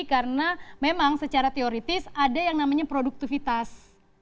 karena memang secara teoritis ada yang namanya produktivitas